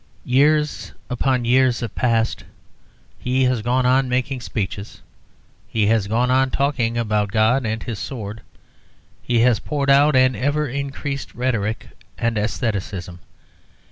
Years upon years have passed; he has gone on making speeches, he has gone on talking about God and his sword, he has poured out an ever increased rhetoric and æstheticism.